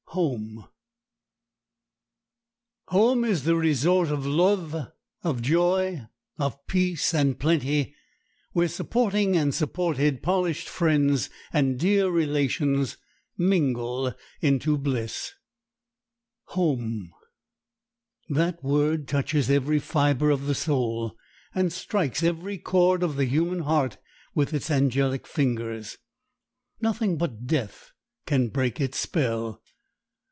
] "Home is the resort Of love, of joy, of peace and plenty, where, Supporting and supported, polished friends And dear relations mingle into bliss." Home! That word touches every fiber of the soul, and strikes every chord of the human heart with its angelic fingers. Nothing but death can break its spell.